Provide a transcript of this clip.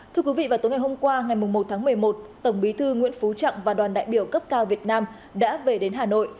thưa quý vị vào tối ngày hôm qua ngày một tháng một mươi một tổng bí thư nguyễn phú trọng và đoàn đại biểu cấp cao việt nam đã về đến hà nội